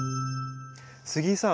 杉井さん